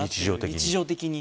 日常的に。